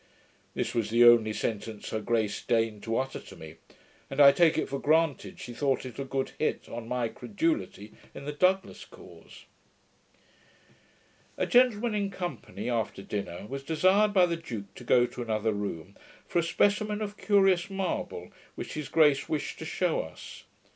This was the only sentence her grace deigned to utter to me; and I take it for granted, she thought it a good hit on my CREDULITY in the Douglas cause. A gentleman in company, after dinner, was desired by the duke to go to another room, for a specimen of curious marble, which his grace wished to shew us.